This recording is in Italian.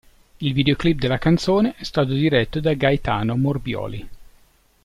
Il videoclip della canzone è stato diretto da Gaetano Morbioli.